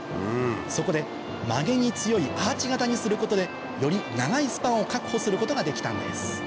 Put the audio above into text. そこで曲げに強いアーチ型にすることでより長いスパンを確保することができたんです